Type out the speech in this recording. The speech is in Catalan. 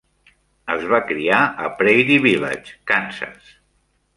Es va criar a Prairie Village, Kansas.